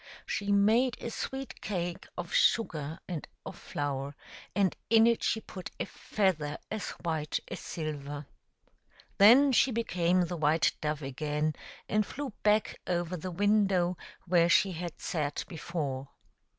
She made a sweet cake of sugar and of flour, and in it she put a feather as white as silver. Then she became the white dove again, and flew back over the window where she had sat before.